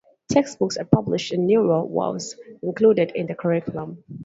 Textbooks were published and Newar was included in the curriculum.